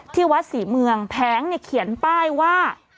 ที่วัดศรีเมืองแผงเนี่ยเขียนป้ายว่า